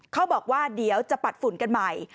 เขาบอกว่าเดี๋ยวจะปัดฝุ่นกันใหม่